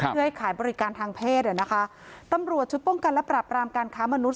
เพื่อให้ขายบริการทางเพศอ่ะนะคะตำรวจชุดป้องกันและปรับรามการค้ามนุษย